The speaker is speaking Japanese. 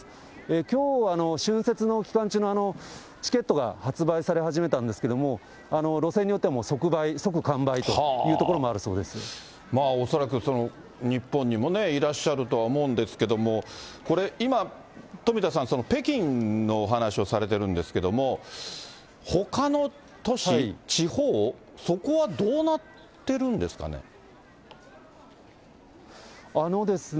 きょう、春節の期間中のチケットが発売され始めたんですけれども、路線によってはもう即売、恐らく日本にもいらっしゃるとは思うんですけれども、これ、今、富田さん、北京のお話をされてるんですけれども、ほかの都市、地方、そこはどうなってるんですかね。